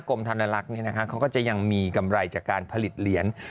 กรมธรรมลักษณ์เนี้ยนะคะเขาก็จะยังมีกำไรจากการผลิตเหรียญ